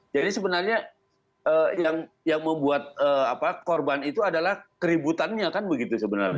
jadi sebenarnya yang membuat korban itu adalah keributannya kan begitu sebenarnya